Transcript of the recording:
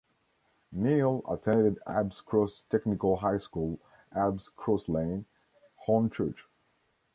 Neill attended Abbs Cross Technical High School, Abbs Cross Lane, Hornchurch.